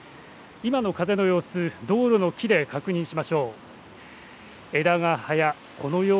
今の風の様子、道路の木で確認しましょう。